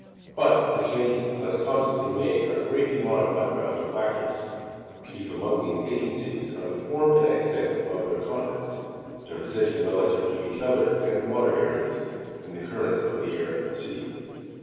But the changes thus constantly made are greatly modified by other factors. Chief among these agencies are the form and extent of the continents, their position relative to each other and the water areas, and the currents of the air and sea.